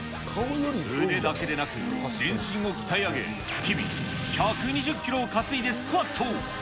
腕だけでなく、全身を鍛え上げ、日々、１２０キロを担いでスクワット。